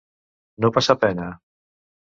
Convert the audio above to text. No passar pena.